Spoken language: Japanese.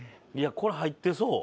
これ入ってそう。